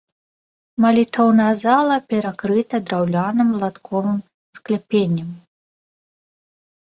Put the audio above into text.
Малітоўная зала перакрыта драўляным латковым скляпеннем.